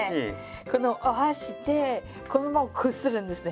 このお箸でこのままこするんですね。